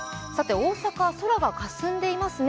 大阪は空がかすんでいますね。